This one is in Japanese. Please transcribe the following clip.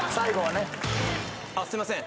すいません。